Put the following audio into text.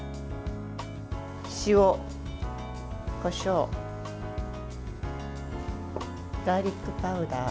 塩、こしょうガーリックパウダー。